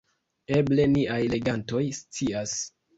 Eble niaj legantoj scias.